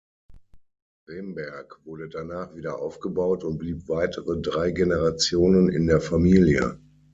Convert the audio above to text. Remberg wurde danach wieder aufgebaut und blieb weitere drei Generationen in der Familie.